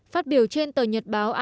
phát biểu trên tờ nhật báo